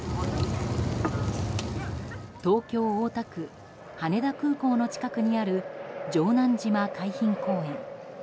東京・大田区、羽田空港の近くにある城南島海浜公園。